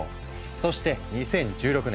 そして２０１６年。